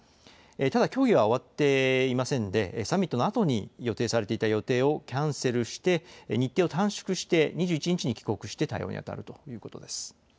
ただ協議が終わっていませんで、サミットのあとに予定されていた予定をキャンセルして、日程を短縮して２１日に帰国して対応に当たるということです。